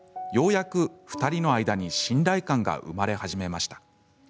ようやく、２人の間に信頼感が生まれ始めました。